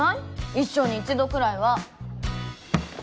一生に一度くらいは。